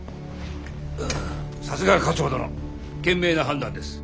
さすが課長殿賢明な判断です。